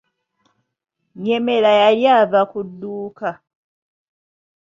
Nyemera yali ava ku dduuka .